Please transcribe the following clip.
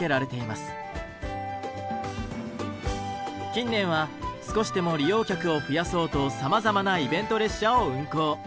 近年は少しでも利用客を増やそうとさまざまなイベント列車を運行。